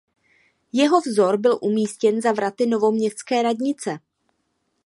Jeho vzor byl umístěn za vraty Novoměstské radnice.